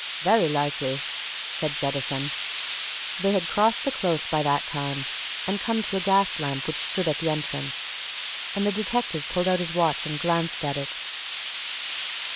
"Very likely," said Jettison. They had crossed the Close by that time and come to a gas lamp which stood at the entrance, and the detective pulled out his watch and glanced at it.